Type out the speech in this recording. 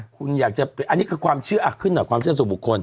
คุณอยากจะเป็นอันนี้คือความเชื่อขึ้นความเชื่อสู่บุคคล